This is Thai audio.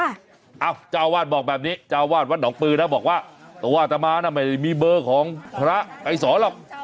เจ้าอาวาสบอกแบบนี้เจ้าวาดวัดหนองปลือนะบอกว่าตัวอัตมาน่ะไม่ได้มีเบอร์ของพระไปสอนหรอก